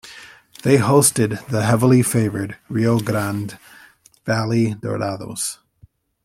They hosted the heavily favored Rio Grande Valley Dorados.